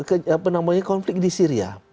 apa namanya konflik di syria